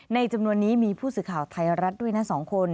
จำนวนนี้มีผู้สื่อข่าวไทยรัฐด้วยนะ๒คน